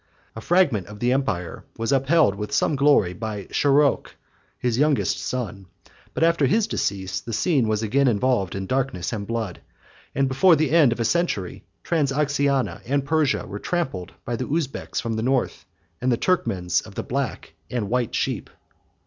A fragment of the empire was upheld with some glory by Sharokh, his youngest son; but after his decease, the scene was again involved in darkness and blood; and before the end of a century, Transoxiana and Persia were trampled by the Uzbeks from the north, and the Turkmans of the black and white sheep.